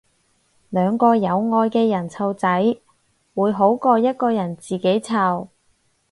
兩個有愛嘅人湊仔會好過一個人自己湊